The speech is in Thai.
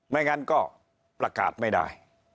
ไม่งั้นก็ประกาศไม่ได้